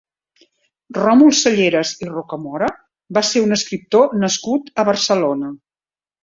Ròmul Salleres i Rocamora va ser un escriptor nascut a Barcelona.